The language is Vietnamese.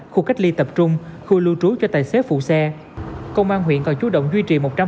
phục cách ly tập trung khui lưu trú cho tài xế phụ xe công an huyện còn chủ động duy trì một trăm linh